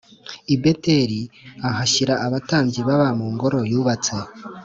I Beteli ahashyira abatambyi baba mu ngoro yubatse